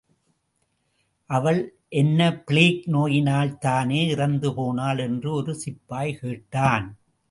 அவள் என்ன பிளேக் நோயினால்தானே இறந்துபோனாள்! என்று ஒரு சிப்பாய் கேட்டான்.